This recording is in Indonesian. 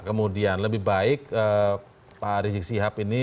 kemudian lebih baik pak rizik sihab ini